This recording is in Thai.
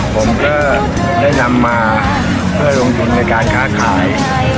ผมก็ได้นำมาเพื่อลงทุนในการค้าขาย